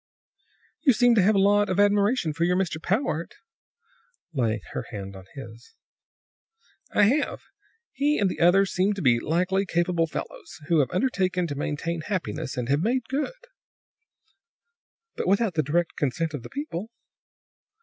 "You seem to have a lot of admiration for your Mr. Powart," laying her hand on his. "I have. He and the others seem to be highly capable fellows, who have undertaken to maintain happiness, and have made good." "But without the direct consent of the people."